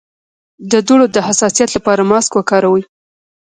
د دوړو د حساسیت لپاره ماسک وکاروئ